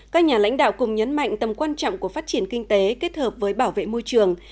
các nhà lãnh đạo cùng nhấn mạnh tầm quan trọng của phát triển kinh tế kết hợp với bảo vệ môi trường